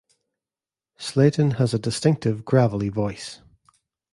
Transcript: Slayton has a distinctive gravelly voice.